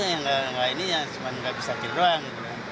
ya ini yang cuma nggak bisa akhir doang